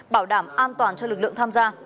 bảo đảm an toàn cho lực lượng tham gia